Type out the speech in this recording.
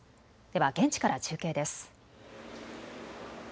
では現地から中継です。